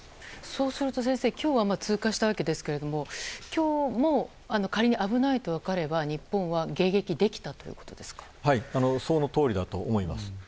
そうすると今日は通過したわけですが今日も仮に危ないと分かれば日本はそのとおりだと思います。